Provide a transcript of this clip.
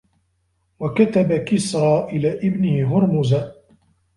وَكَتَبَ كِسْرَى إلَى ابْنِهِ هُرْمُزَ